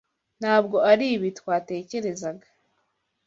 Ntabwo aribi twatekerezaga.